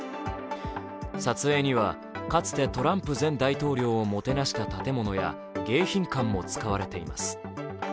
撮影には、かつてトランプ前大統領をもてなした建物や迎賓館も使われています。